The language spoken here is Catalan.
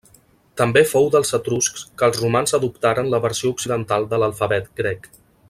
També fou dels etruscs que els romans adoptaren la versió occidental de l'alfabet grec.